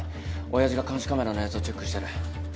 親父が監視カメラの映像チェックしてる。